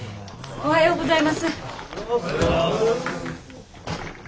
おはようございます。